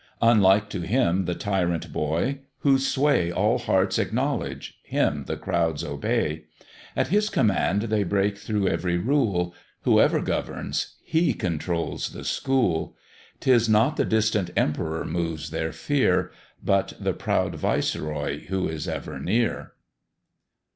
Unlike to him the Tyrant boy, whose sway All hearts acknowledge; him the crowds obey: At his command they break through every rule; Whoever governs, he controls the school: 'Tis not the distant emperor moves their fear, But the proud viceroy who is ever near.